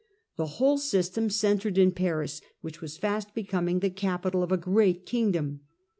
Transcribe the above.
The whole system centred in Paris, which was fast becoming the capital of a great kingdom.